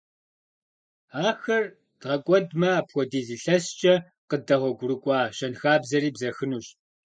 Ахэр дгъэкӀуэдмэ, апхуэдиз илъэскӀэ къыддэгъуэгурыкӀуа щэнхабзэри бзэхынущ.